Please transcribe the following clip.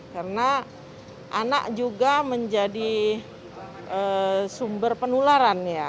karena anak juga menjadi sumber penularan ya